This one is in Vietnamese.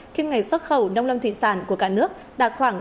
kiếm ngày xuất khẩu nông lâm thuyền sản của cảnh sát đà nẵng